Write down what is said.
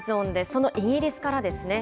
そのイギリスからですね。